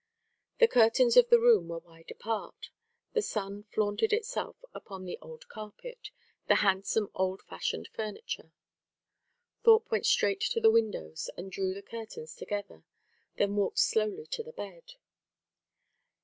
The curtains of the room were wide apart. The sun flaunted itself upon the old carpet, the handsome old fashioned furniture. Thorpe went straight to the windows, and drew the curtains together, then walked slowly to the bed.